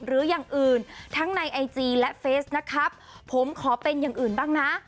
อย่างอื่นทั้งในไอจีและเฟสนะครับผมขอเป็นอย่างอื่นบ้างนะ